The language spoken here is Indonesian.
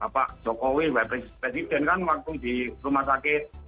pak jokowi pak presiden kan waktu di rumah sakit